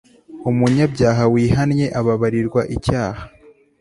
umunyabyaha wihannye ababarirwa icyaha